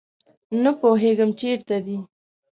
نه پوهیږم چیرته دي